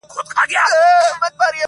او خپل مفهوم ترې اخلي تل,